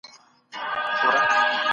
د بدن روغتیا لپاره په وخت خوراک کوئ.